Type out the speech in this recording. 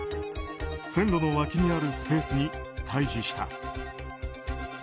線路の脇にあるスペースに退避した。